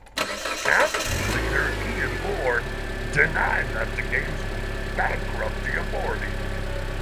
Council leader Ian Ward denied that the Games would bankrupt the authority.